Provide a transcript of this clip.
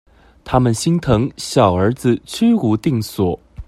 他們心疼小兒子居無定所